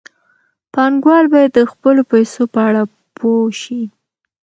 پانګوال باید د خپلو پیسو په اړه پوه شي.